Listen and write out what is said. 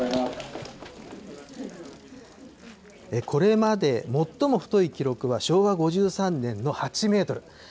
これまで最も太い記録は、昭和５３年の８メートル。